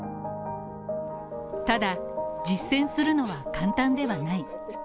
ただ、実践するのは簡単ではない。